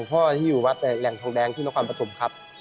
ปกติอยู่แหลงทองแดงที่น้องควันประถมครับ